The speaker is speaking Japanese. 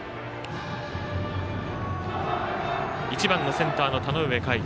１番のセンターの田上夏衣。